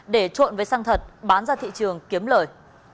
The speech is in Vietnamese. để trộn với xăng thật bán ra thị trường kiếm lời